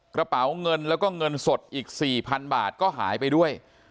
กระเป๋าเงินแล้วก็เงินสดอีก๔๐๐๐บาทก็หายไปด้วย